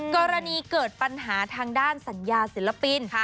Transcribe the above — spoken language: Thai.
กรณีเกิดปัญหาทางด้านสัญญาศิลปิน